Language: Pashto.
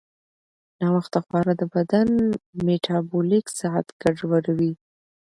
ناوخته خورا د بدن میټابولیک ساعت ګډوډوي.